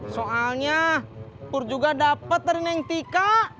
soalnya pur juga dapat dari neng tika